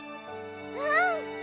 うん！